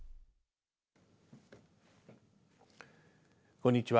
こんにちは。